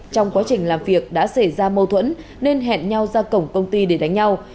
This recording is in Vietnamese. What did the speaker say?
trong quá trình làm việc đã xảy ra mâu thuẫn nên hẹn nhau ra cổng công ty để đánh nhau